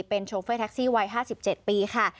เป็นโชเฟอร์แท็กซี่วัย๕๗ปีค่ะ